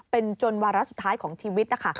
เป็นจนวาระสุดท้ายของชีวิตนะคะ